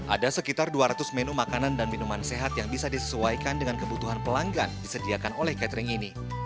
ada sekitar dua ratus menu makanan dan minuman sehat yang bisa disesuaikan dengan kebutuhan pelanggan disediakan oleh catering ini